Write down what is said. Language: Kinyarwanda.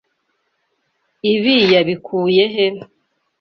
Ibi yabikuye he?